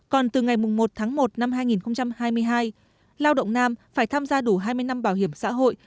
còn từ ngày một tháng một năm hai nghìn hai mươi hai lao động nam phải tham gia đủ hai mươi năm bảo hiểm xã hội